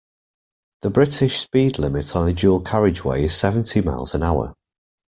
The British speed limit on a dual carriageway is seventy miles an hour